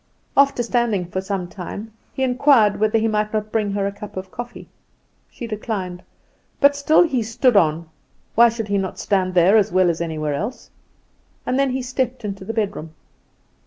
After standing for some time he inquired whether he might not bring her a cup of coffee. She declined; but still he stood on (why should he not stand there as well as anywhere else?), and then he stepped into the bedroom.